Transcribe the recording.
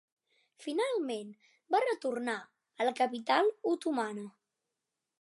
Finalment va retornar a la capital otomana.